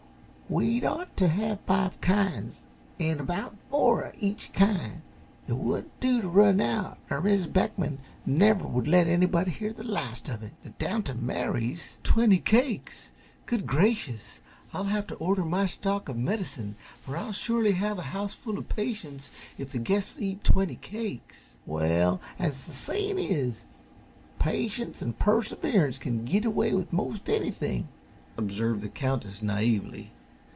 We'd ought t' have five kinds, an' about four uh each kind. It wouldn't do t' run out, er Mis' Beckman never would let anybody hear the last of it. Down t' Mary's " "Twenty cakes! Good gracious! I'll have to order my stock of medicine, for I'll surely have a houseful of patients if the guests eat twenty cakes." "Well, as the sayin' is: 'Patience an' perseverance can git away with most anything,'" observed the Countess, naively.